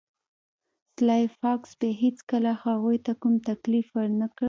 سلای فاکس بیا هیڅکله هغوی ته کوم تکلیف ورنکړ